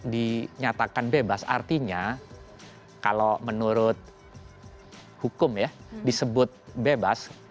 dinyatakan bebas artinya kalau menurut hukum ya disebut bebas